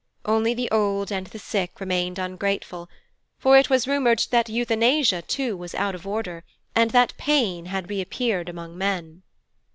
Only the old and the sick remained ungrateful, for it was rumoured that Euthanasia, too, was out of order, and that pain had reappeared among men.